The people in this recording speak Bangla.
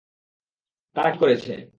তারা কী করেছে?